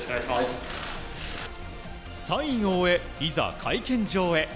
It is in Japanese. サインを終え、いざ会見場へ。